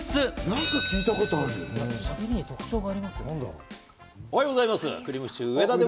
何か聞いたことある。